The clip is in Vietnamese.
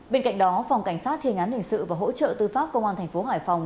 bên cạnh đó phòng cảnh sát thiên án hình sự và hỗ trợ tư pháp công an thành phố hải phòng